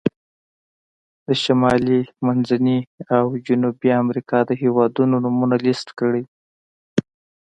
د شمالي، منځني او جنوبي امریکا د هېوادونو نومونه لیست کړئ.